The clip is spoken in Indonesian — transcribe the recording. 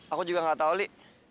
aku juga gak tau nih